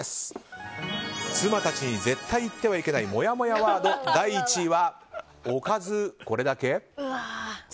妻たちに絶対言ってはいけないもやもやワード第１位は、おかずこれだけ？